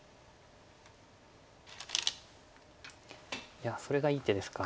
いやそれがいい手ですか。